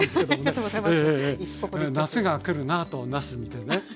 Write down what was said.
夏が来るなとなす見てね。